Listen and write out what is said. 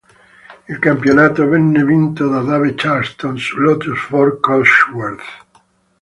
Il campionato venne vinto da Dave Charlton su Lotus-Ford Cosworth.